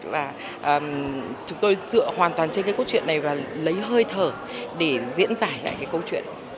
và chúng tôi dựa hoàn toàn trên cốt truyện này và lấy hơi thở để diễn giải lại cốt truyện